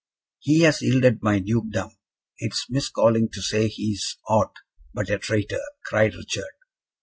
"He has yielded my dukedom! It is mis calling to say he is aught but a traitor!" cried Richard.